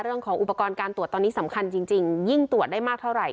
เรื่องของอุปกรณ์การตรวจตอนนี้สำคัญจริงยิ่งตรวจได้มากเท่าไหร่